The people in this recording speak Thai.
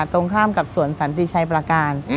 ตรงข้ามกับสวนสันติชัยประการ